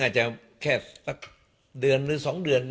อาจจะแค่สักเดือนหรือสองเดือน